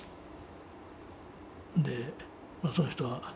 でその人は「○○曹長」